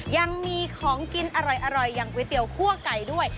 ยังมีของกินอร่อยอย่างก๋วยเตี๋ยวคั่วไก่ด้วย